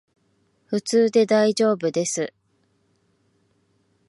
普通でだいじょうぶです